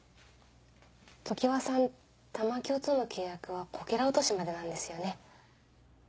常葉さん玉響との契約はこけら落としまでなんですよね。